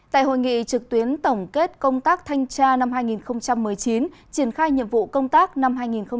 tại hội nghị trực tuyến tổng kết công tác thanh tra năm hai nghìn một mươi chín triển khai nhiệm vụ công tác năm hai nghìn hai mươi